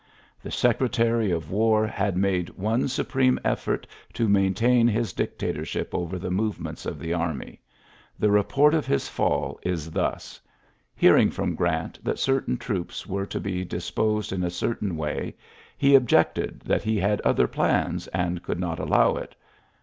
The Secretaoy of War had made one su preme effort to maintain his dictatorship over the movements of the army. The report of his fall is thus : Hearing from Orant that certain troops were to be dis posed in a certain way, he objected that he had other plans, and could not allow it.